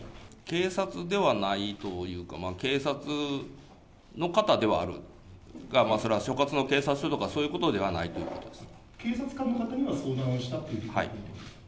警察ではないというか、警察の方ではあるが、まあそれは所轄の警察署とか、そういうことではないということで警察官の方には相談をしたとはい。